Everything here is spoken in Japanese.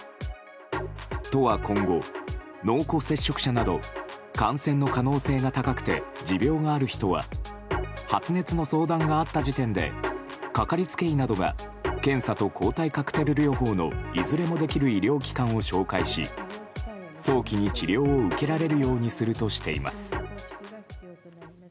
都は今後、濃厚接触者など感染の可能性が高くて持病がある人は発熱の相談があった時点でかかりつけ医などが検査と抗体カクテル療法のいずれもできる医療機関を紹介し早期に治療を受けられるようにするとしています。